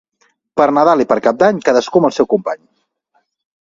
Per Nadal i per Cap d'Any, cadascú amb el seu company.